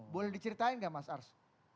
boleh diceritain nggak mas ars